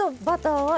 バター。